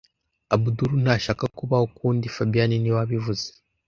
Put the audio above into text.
Abdul ntashaka kubaho ukundi fabien niwe wabivuze